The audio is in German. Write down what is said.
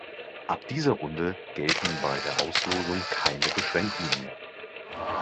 Ab dieser Runde gelten bei der Auslosung keine Beschränkungen mehr.